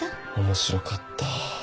面白かった。